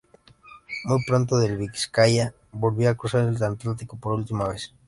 Muy pronto el "Vizcaya" volvía a cruzar el Atlántico por última vez.